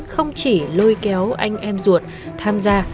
không chỉ lôi kéo anh em ruột tham gia